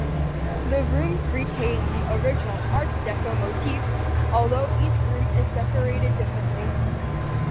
The rooms retain the original Art Deco motifs, although each room is decorated differently.